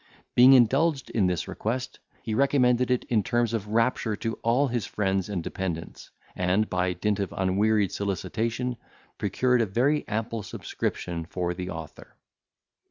Being indulged in this request, he recommended it in terms of rapture to all his friends and dependants, and, by dint of unwearied solicitation, procured a very ample subscription for the author.